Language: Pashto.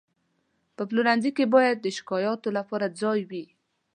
په پلورنځي کې باید د شکایاتو لپاره ځای وي.